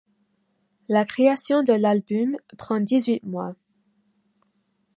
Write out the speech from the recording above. La création de l'album prend dix-huit mois.